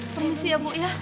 permisi ya bu ya